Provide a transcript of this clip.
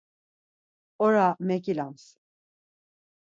Ora meǩilams.